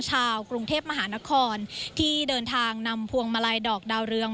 ชาวกรุงเทพมหานครที่เดินทางนำพวงมาลัยดอกดาวเรือง